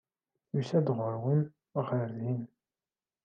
Yusa-d ɣur-wen, ɣer din.